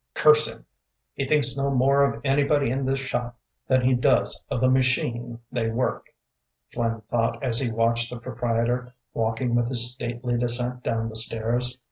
"Curse him, he thinks no more of anybody in this shop than he does of the machine they work," Flynn thought as he watched the proprietor walking with his stately descent down the stairs.